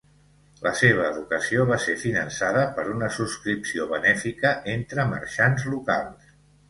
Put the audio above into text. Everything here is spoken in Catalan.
La seva educació va ser finançada per una subscripció benèfica entre marxants locals.